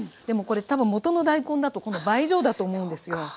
でもこれ多分もとの大根だとこの倍以上だと思うんですよ。